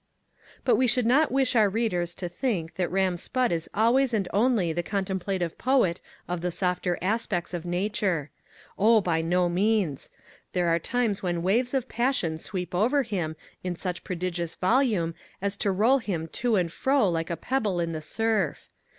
But we should not wish our readers to think that Ram Spudd is always and only the contemplative poet of the softer aspects of nature. Oh, by no means. There are times when waves of passion sweep over him in such prodigious volume as to roll him to and fro like a pebble in the surf.